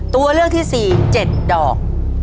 ตัวเลือกที่๔๗ดอก